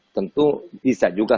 tentu bisa juga